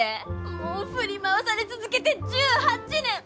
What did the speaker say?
もう振り回され続けて１８年。